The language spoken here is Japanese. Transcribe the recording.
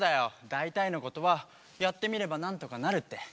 だいたいのことはやってみればなんとかなるって。